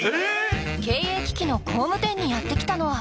経営危機の工務店にやってきたのは。